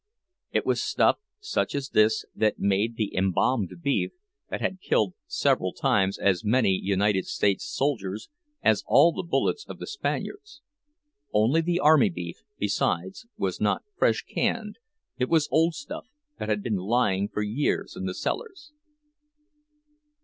It was stuff such as this that made the "embalmed beef" that had killed several times as many United States soldiers as all the bullets of the Spaniards; only the army beef, besides, was not fresh canned, it was old stuff that had been lying for years in the cellars.